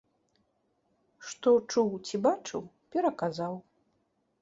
Што чуў ці бачыў, пераказаў.